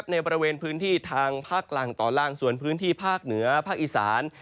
ในบริเวณพื้นที่ทางภาคกลางตอนล่างส่วนพื้นที่ภาคเหนือภาคอีสาน